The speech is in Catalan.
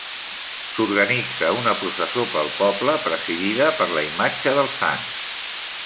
S'organitza una processó pel poble presidida per la imatge del sant.